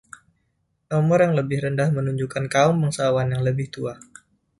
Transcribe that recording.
Nomor yang lebih rendah menunjukkan kaum bangsawan yang lebih tua.